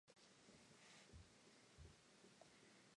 The Director of the school is Arun Kapur.